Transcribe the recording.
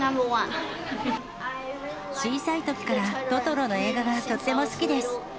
小さいときからトトロの映画がとっても好きです。